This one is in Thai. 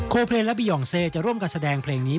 เพลงและบียองเซจะร่วมกันแสดงเพลงนี้